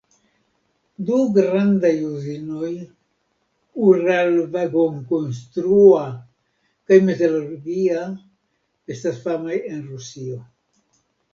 Du grandaj uzinoj—Uralvagonkonstrua kaj Metalurgia estas famaj en Rusio.